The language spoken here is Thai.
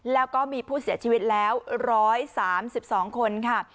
แล้วก็มีผู้เสียชีวิตแล้ว๑๓๒คนค่ะ